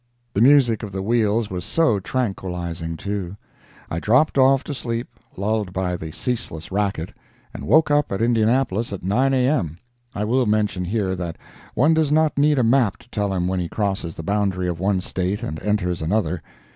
The music of the wheels was so tranquilizing, too. I dropped off to sleep, lulled by the ceaseless racket, and woke up at Indianapolis at 9 A.M. I will mention here that one does not need a map to tell him when he crosses the boundary of one State and enters another.